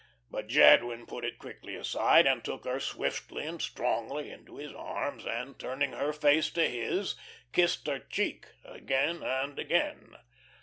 But Jadwin put it quickly aside, and took her swiftly and strongly into his arms, and turning her face to his, kissed her cheek again and again.